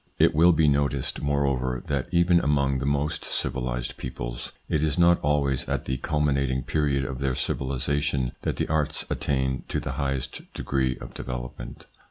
It will be noticed, moreover, that even among the most civilised peoples, it is not always at the culmi nating period of their civilisation that the arts attain to the highest degree of development.